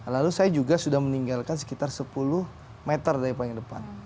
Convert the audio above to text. lalu saya juga sudah meninggalkan sekitar sepuluh meter dari paling depan